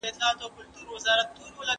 بې له قدرته د پرېکړو پلي کول سوني دي.